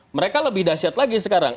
mereka lebih dahsyat lagi sekarang